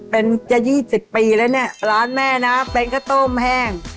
เป็นจะ๒๐ปีแล้วเนี่ยร้านแม่นะเป็นข้าวต้มแห้ง